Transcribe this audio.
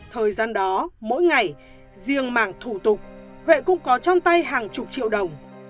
thời gian đó mỗi ngày riêng mảng thủ tục huệ cũng có trong tay hàng chục triệu đồng